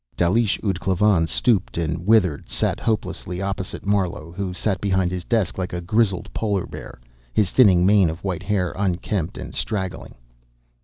Dalish ud Klavan, stooped and withered, sat hopelessly, opposite Marlowe, who sat behind his desk like a grizzled polar bear, his thinning mane of white hair unkempt and straggling.